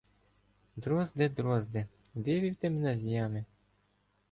- Дрозде, Дрозде, вивів ти мене з ями?